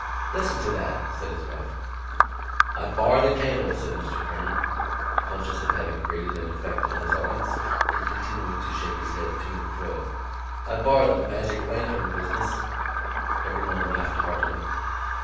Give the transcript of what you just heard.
"Listen to that!" said his wife. "I bar the candles," said Mr Kernan, conscious of having created an effect on his audience and continuing to shake his head to and fro. "I bar the magic lantern business." Everyone laughed heartily.